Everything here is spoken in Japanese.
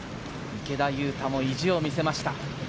池田勇太も意地を見せました。